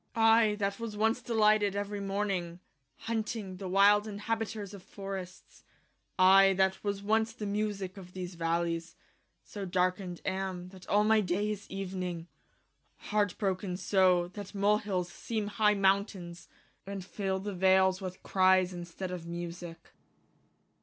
I that was once delighted every morning y Hunting the wilde inhabiters of forrests y I that was once the musique of these v allies y So darkened am y that all my day is evening y Hart broken so y that molehilles seeme high mount aines y And fill the vales with cries in steed of musique